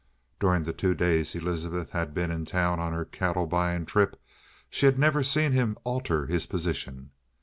During the two days Elizabeth had been in town on her cattle buying trip, she had never see him alter his position.